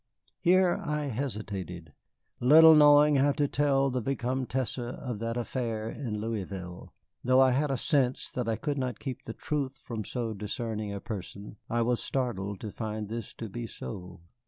Here I hesitated, little knowing how to tell the Vicomtesse of that affair in Louisville. Though I had a sense that I could not keep the truth from so discerning a person, I was startled to find this to be so.